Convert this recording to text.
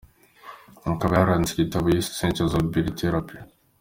akaba yaranditse igitabo yise ‘Essentials of Beauty Therapy’.